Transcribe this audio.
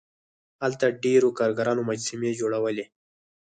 هلته ډیرو کارګرانو مجسمې جوړولې.